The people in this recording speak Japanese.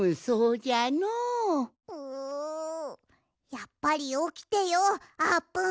やっぱりおきてようあーぷん。